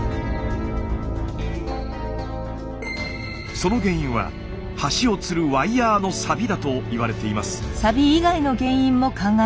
その原因は橋をつるワイヤーのサビだと言われています。